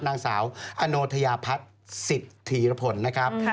นางสาวอโนะยัพสิบสิรพลนะครับ